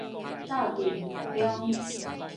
鬥陣特攻